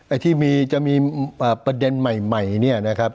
ไอ้ที่จะมีประเด็นใหม่เนี่ยนะครับ